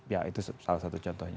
ya itu salah satu contohnya